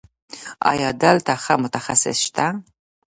ایا دلته ښه متخصص شته؟